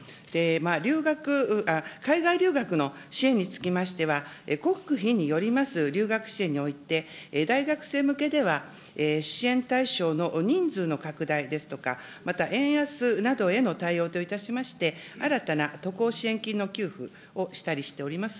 留学、海外留学の支援につきましては、国費によります留学支援において、大学生向けでは支援対象の人数の拡大ですとか、また円安などへの対応といたしまして、新たな渡航支援金の給付をしたりしております。